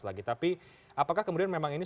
lagi tapi apakah kemudian memang ini